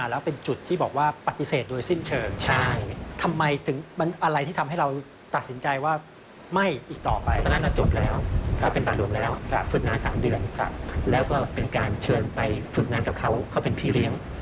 แล้วก็เป็นการเชิญไปฝึกงานกับเขาเขาเป็นพี่เลี้ยง